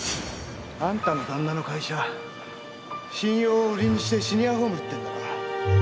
あんたの旦那の会社信用を売りにしてシニアホーム売ってんだろ。